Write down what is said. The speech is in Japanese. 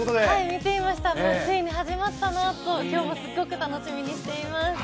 見ていました、ついに始まったなと、今日もすごく楽しみにしています。